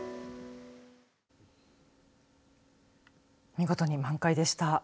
見事に満開でした。